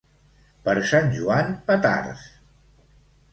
Per Sant Joan, petards.